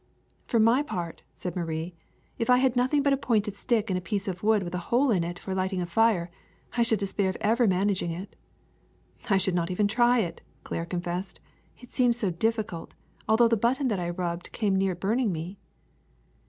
'^ *^For my part," said Marie, ''if I had nothing but a pointed stick and a piece of wood with a hole in it for lighting a fire, I should despair of ever manag ing it. '' "I should not even try it," Claire confessed, ''it seems so difficult, although the button that I rubbed came near burning me."